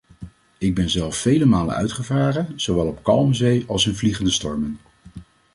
Ik ben zelf vele malen uitgevaren, zowel op kalme zee als in vliegende stormen.